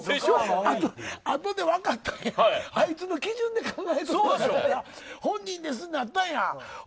あとで分かったんやけどあいつの基準で考えると本人ですってなったんや。